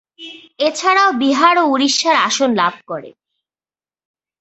এছাড়াও বিহার ও উড়িষ্যার আসন লাভ করে।